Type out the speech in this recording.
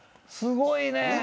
すごいね！